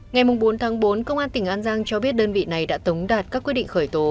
ngày bốn tháng bốn công an tỉnh an giang cho biết đơn vị này đã tống đạt các quyết định khởi tố